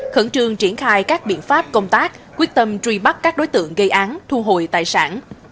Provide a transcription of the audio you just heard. khẩn trương triển khai các biện pháp công tác quyết tâm truy bắt các đối tượng gây án thu hồi tài sản